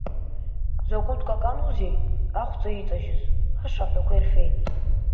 Изакәытә каканузеи, ахәҵа иҵажьыз, баша аҳәақәа ирфеит.